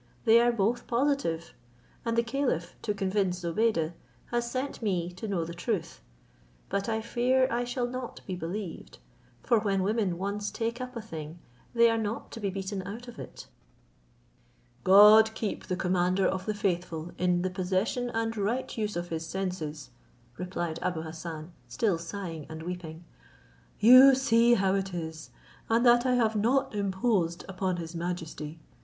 They are both positive; and the caliph, to convince Zobeide, has sent me to know the truth, but I fear I shall not be believed; for when women once take up a thing, they are not to be beaten out of it." "God keep the commander of the faithful in the possession and right use of his senses," replied Abou Hassan, still sighing and weeping; "you see how it is, and that I have not imposed upon his majesty.